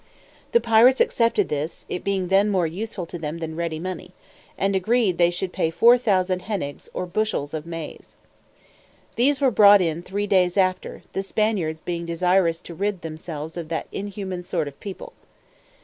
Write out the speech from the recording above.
The pirates accepted this, it being then more useful to them than ready money, and agreed they should pay four thousand hanegs, or bushels of maize. These were brought in three days after, the Spaniards being desirous to rid themselves of that inhuman sort of people.